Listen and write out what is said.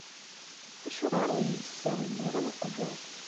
Acuɣer ur iyi-d-tessawlem ara uqbel?